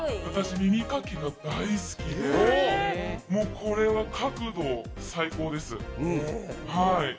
私、耳かきが大好きで、もうこれは角度、最高です。